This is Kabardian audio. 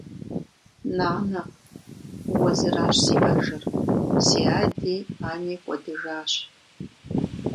Нанэ… Уэ зыращ сиӀэжыр, си ади ани кӀуэдыжащ.